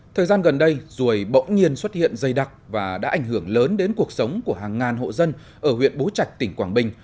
thời gian gần đây ruồi bỗng nhiên xuất hiện dày đặc và đã ảnh hưởng lớn đến cuộc sống của hàng ngàn hộ dân ở huyện bố trạch tỉnh quảng bình